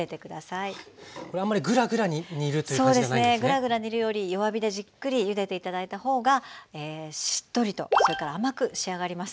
ぐらぐら煮るより弱火でじっくりゆでて頂いた方がしっとりとそれから甘く仕上がります。